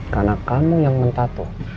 karena kamu yang men tattoo